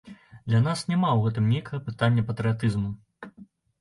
Для нас няма ў гэтым нейкага пытання патрыятызму.